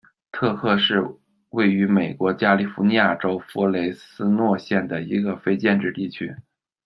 特克是位于美国加利福尼亚州弗雷斯诺县的一个非建制地区。